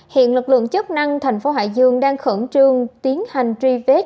hiện lực lượng chức năng tp hcm đang khẩn trương tiến hành truy vết